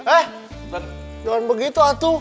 eh jangan begitu atu